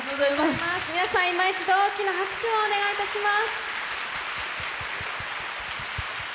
皆さんいまいちど大きな拍手をお願いします。